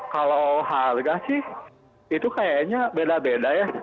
kalau harga sih itu kayaknya beda beda ya